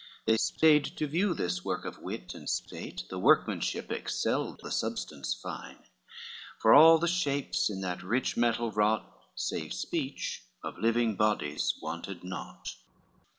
They stayed to view this work of wit and state. The workmanship excelled the substance fine, For all the shapes in that rich metal wrought, Save speech, of living bodies wanted naught.